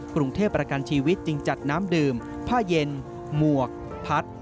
กรุงเทพประกันชีวิตจึงจัดน้ำดื่มผ้าเย็นหมวกพัด